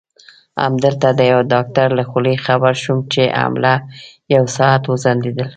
همدلته د یوه ډاکټر له خولې خبر شوم چې حمله یو ساعت وځنډېدل.